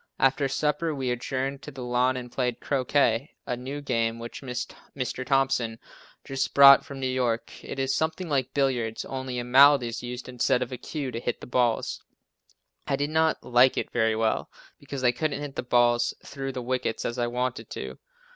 After supper we adjourned to the lawn and played croquet, a new game which Mr. Thompson just brought from New York. It is something like billiards, only a mallet is used instead of a cue to hit the balls. I did not like it very well, because I couldn't hit the balls through the wickets as I wanted to.